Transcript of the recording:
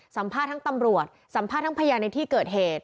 สัมภาษณ์ทั้งตำรวจสัมภาษณ์ทั้งพยานในที่เกิดเหตุ